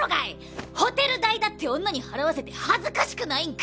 ホテル代だって女に払わせて恥ずかしくないんか？